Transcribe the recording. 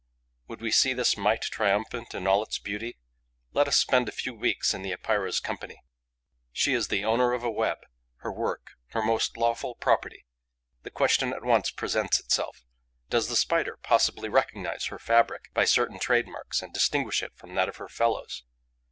Would we see this might triumphant in all its beauty? Let us spend a few weeks in the Epeira's company. She is the owner of a web, her work, her most lawful property. The question at once presents itself: Does the Spider possibly recognize her fabric by certain trademarks and distinguish it from that of her fellows?